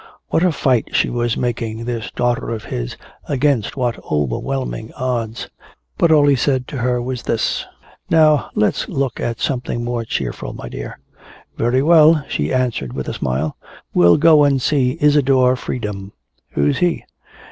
What a fight she was making, this daughter of his, against what overwhelming odds. But all he said to her was this: "Now let's look at something more cheerful, my dear." "Very well," she answered with a smile. "We'll go and see Isadore Freedom." "Who's he?"